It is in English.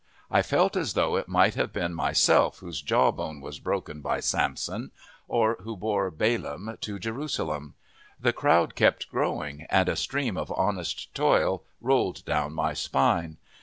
I felt as though it might have been myself whose jawbone was broken by Samson, or who bore Balaam to Jerusalem. The crowd kept growing, and a stream of honest toil rolled down my spine.